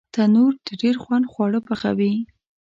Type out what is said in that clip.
تنور د ډېر خوند خواړه پخوي